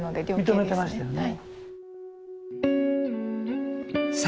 認めてましたよね。